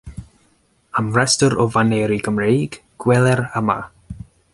Am restr o faneri Cymreig, gweler yma.